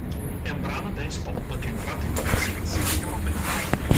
È un brano dance pop che è entrato in diverse classifiche europee.